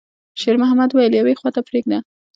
شېرمحمد وويل: «يوې خواته پرېږده.»